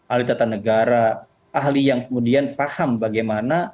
ahli tata negara ahli yang kemudian paham bagaimana